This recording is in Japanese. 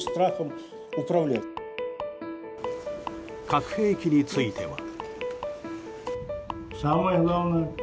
核兵器については。